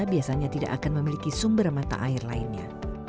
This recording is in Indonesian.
biasanya tidak akan memiliki sumber mata air lainnya